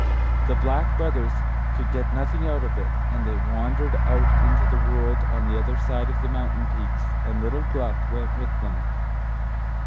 The Black Brothers could get nothing out of it, and they wandered out into the world on the other side of the mountain peaks; and little Gluck went with them.